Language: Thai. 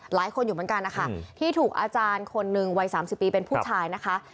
หลายคนอยู่เหมือนกันนะคะที่ถูกอาจารย์คนหนึ่งวัย๓๐ปีเป็นผู้ชายนะคะ